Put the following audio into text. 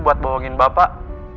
buat bohongin bapak